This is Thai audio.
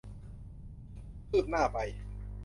คืบหน้าไป